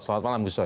selamat malam gusoy